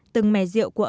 từng mẻ rượu của ông